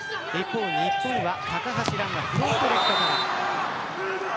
日本は高橋藍がフロントレフトから。